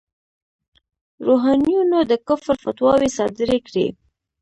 روحانیونو د کفر فتواوې صادرې کړې.